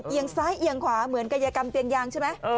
ซ้ายเอียงขวาเหมือนกายกรรมเตียงยางใช่ไหม